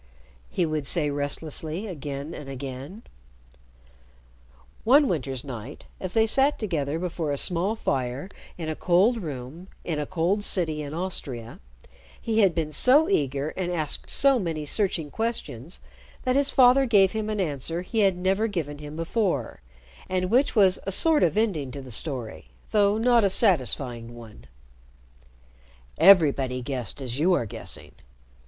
he would say restlessly again and again. One winter's night, as they sat together before a small fire in a cold room in a cold city in Austria, he had been so eager and asked so many searching questions, that his father gave him an answer he had never given him before, and which was a sort of ending to the story, though not a satisfying one: "Everybody guessed as you are guessing.